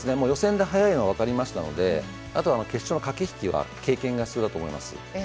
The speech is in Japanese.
予選で速いのは分かりましたのであとは決勝の駆け引きは経験が必要だと思います。